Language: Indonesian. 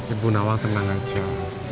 ibu nawang tengah ngecew